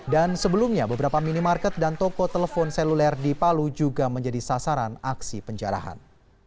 dan sebelumnya beberapa minimarket dan toko telepon seluler di palu juga menjadi sasaran aksi penjarahan